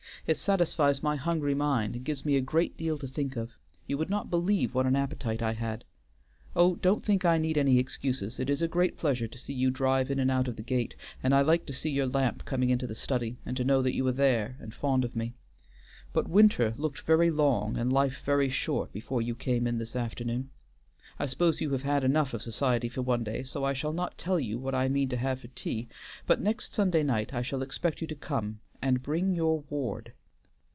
It satisfies my hungry mind and gives me a great deal to think of; you would not believe what an appetite I had. Oh, don't think I need any excuses, it is a great pleasure to see you drive in and out of the gate, and I like to see your lamp coming into the study, and to know that you are there and fond of me. But winter looked very long and life very short before you came in this afternoon. I suppose you have had enough of society for one day, so I shall not tell you what I mean to have for tea, but next Sunday night I shall expect you to come and bring your ward.